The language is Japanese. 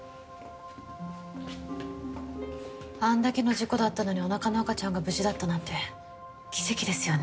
あんだけの事故だったのにおなかの赤ちゃんが無事だったなんて奇跡ですよね。